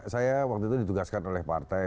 saya waktu itu ditugaskan oleh partai